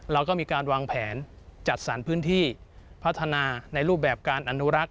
เราก็มีการวางแผนจัดสรรพื้นที่พัฒนาในรูปแบบการอนุรักษ